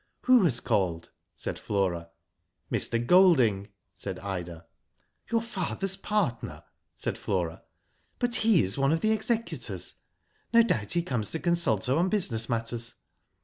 "Who has called?" said Flora. '*Mr. Golding," said Ida. "Your father's partner," said Flora; "but he is one of the executors. No doubt he comes to consult her on business matters."